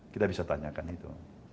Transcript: kita bisa tanyakan itu